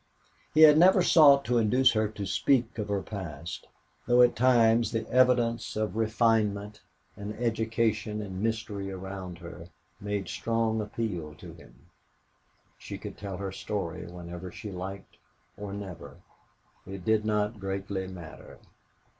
He had never sought to induce her to speak of her past, though at times the evidence of refinement and education and mystery around her made strong appeal to him. She could, tell her story whenever she liked or never it did not greatly matter.